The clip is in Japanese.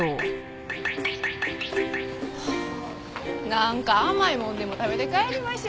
なんか甘いもんでも食べて帰りましょ。